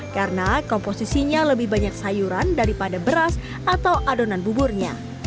karena komposisinya lebih banyak sayuran daripada beras atau adonan buburnya